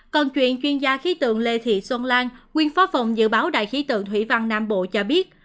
còn chuyên gia khí tượng lê thị xuân lan nguyên phó phòng dự báo đài khí tượng thủy văn nam bộ cho biết